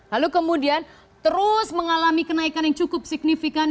lalu kemudian terus mengalami kenaikan yang cukup signifikan